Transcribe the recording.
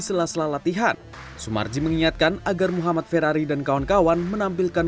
sela sela latihan sumarji mengingatkan agar muhammad ferrari dan kawan kawan menampilkan